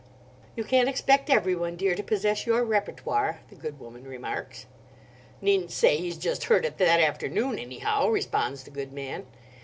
"You can't expect everyone, dear, to possess your repertoire," the good woman remarks. "Needn't say he's just heard it that afternoon, anyhow," responds the good man.